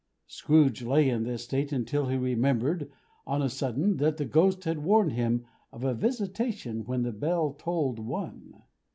Scrooge lay in this state until he remembered, on a sudden, that the Ghost had warned him of a visitation when the bell tolled One.